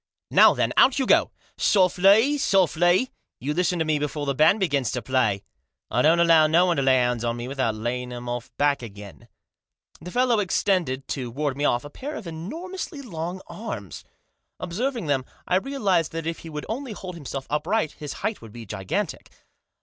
" Now, then, out you go !" "Softly! softly! You listen to me before the band begins to play. I don't allow no one to lay hands on me without laying of 'em back again." The fellow extended, to ward me off, a pair of enormously long arms. Observing them, I realised that if he would only hold himself upright his height would be gigantic.